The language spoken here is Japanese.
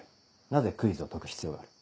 なぜクイズを解く必要がある？